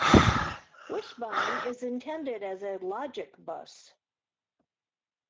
Wishbone is intended as a "logic bus".